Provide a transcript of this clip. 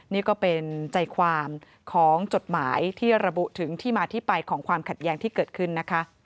นี่ก็เป็นใจความของจดหมายที่ระบุถึงที่มาที่ไปของความขัดแย้งที่เกิดขึ้นนะคะ